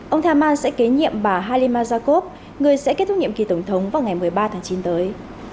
ông thamman sẽ kế nhiệm bà halima jakov người sẽ kết thúc nhiệm kỳ tổng thống vào ngày một mươi ba tháng chín tới